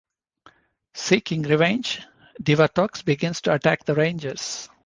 Seeking revenge, Divatox begins to attack the Rangers.